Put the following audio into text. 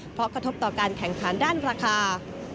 เพราะกระทบต่อการแข่งขันด้านราคา